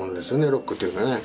ロックっていうのはね。